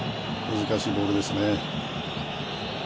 難しいボールですね。